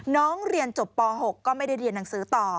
น้องเรียนจบป๖ก็ไม่ได้เรียนหนังสือต่อ